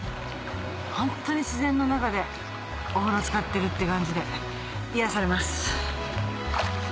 ホントに自然の中でお風呂つかってるって感じで癒やされます。